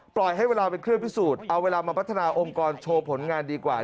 ปล่อยให้เวลาเป็นเครื่องพิสูจน์เอาเวลามาพัฒนาองค์กรโชว์ผลงานดีกว่า